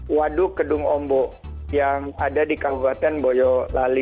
misalnya di waduk gedung ombo yang ada di kabupaten boyolali